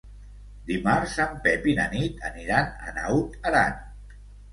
Dimarts en Pep i na Nit aniran a Naut Aran.